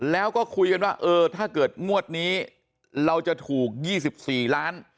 แล้วก็คุยกันว่าเออถ้าเกิดงวดนี้เราจะถูก๒๔ล้าน